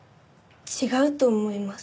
違うと思います。